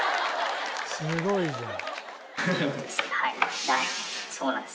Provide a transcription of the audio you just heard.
すごいじゃん。